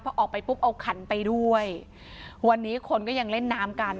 พอออกไปปุ๊บเอาขันไปด้วยวันนี้คนก็ยังเล่นน้ำกัน